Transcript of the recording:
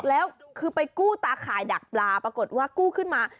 แล้วคือไปกู้ตาข่ายดักปลาปรากฏว่ากู้ขึ้นมา